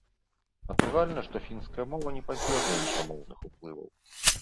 Натуральна, што фінская мова не пазбегла іншамоўных уплываў.